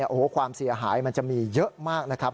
โอ้โหความเสียหายมันจะมีเยอะมากนะครับ